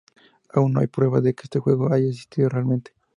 Aún no hay pruebas de que este juego haya existido realmente.